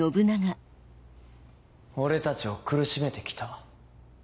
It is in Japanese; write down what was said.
俺たちを苦しめて来た。